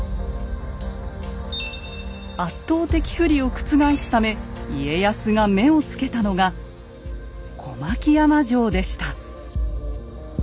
圧倒的不利を覆すため家康が目を付けたのが小牧山城でした。